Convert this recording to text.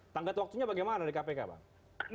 tanggat waktunya bagaimana dari kpk bang